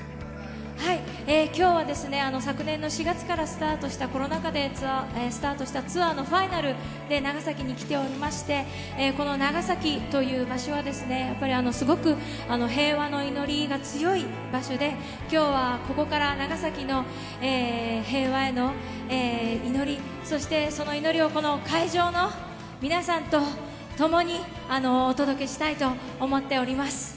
今日は、昨年の４月からコロナ禍でスタートしたツアーのファイナルで長崎に来ておりまして、この長崎という場所はすごく平和の祈りが強い場所で、今日はここから長崎の平和への祈り、そして、その祈りをこの会場の皆さんとともにお届けしたいと思っております。